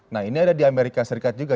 nah ini ada di amerika serikat juga